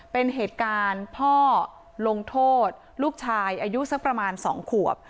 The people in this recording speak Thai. เป็นเหตุการณ์พ่อลงโทษลูกชายอายุสักประมาณ๒ขวบ